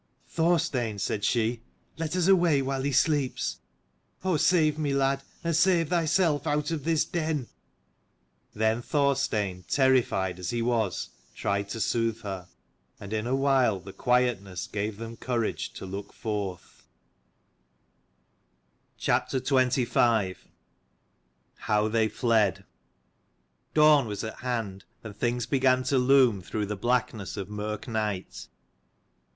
"Thorstein," said she, "let us away while he sleeps. Oh save me, lad, and save thyself out of this den!" Then Thorstein, terrified as he was, tried to soothe her : and in a while the quietness gave them courage to look forth. AWN was at hand, and things CHAPTER began to loom through the XXV HOW blackness of mirk night.